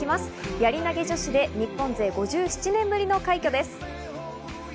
やり投げ女子で日本勢５７年ぶりの快挙です。